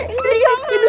istri jangan ya